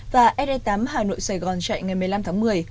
và se tám hà nội sài gòn chạy ngày một mươi năm tháng một mươi